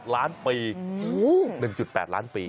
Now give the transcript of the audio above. ๑๘ล้านปีเกือบ๒ล้านปี